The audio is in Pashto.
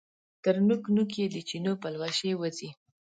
تر نوک، نوک یې د چینو پلوشې وځي